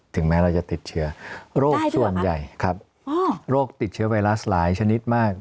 แม้เราจะติดเชื้อโรคส่วนใหญ่ครับโรคติดเชื้อไวรัสหลายชนิดมาก